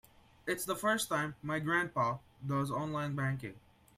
It's the first time my grandpa does online banking.